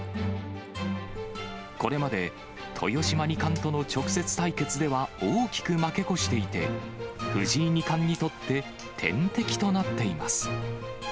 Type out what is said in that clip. これまで、豊島二冠との直接対決では、大きく負け越していて、藤井二冠にとって天敵となっています。